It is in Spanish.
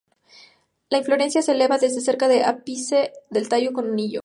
La inflorescencia se eleva desde cerca del ápice del tallo con un anillo.